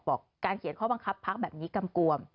การเขียนข้อบังคับพักแบบนี้กำกวม